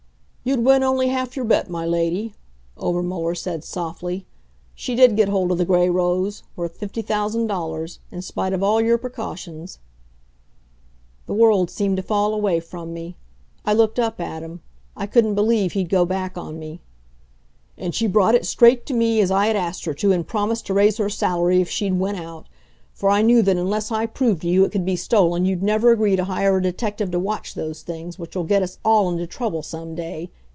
"You'd win only half your bet, my Lady," Obermuller said softly. "She did get hold of the Gray rose, worth fifty thousand dollars, in spite of all your precautions " The world seemed to fall away from me. I looked up at him. I couldn't believe he'd go back on me. " And she brought it straight to me, as I had asked her to, and promised to raise her salary if she'd win out. For I knew that unless I proved to you it could be stolen, you'd never agree to hire a detective to watch those things, which will get us all into trouble some day.